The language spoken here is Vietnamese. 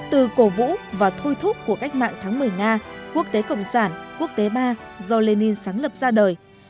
từ cổ vũ và thôi thúc của cách mạng tháng một mươi nga quốc tế cộng sản quốc tế ba do lenin sáng lập ra đời